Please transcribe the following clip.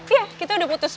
iya kita udah putus